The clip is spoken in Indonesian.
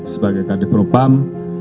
sebagai kadir perupam